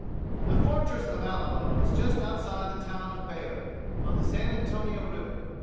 The fortress of Alamo is just outside of the town of Bexar, on the San Antonio River.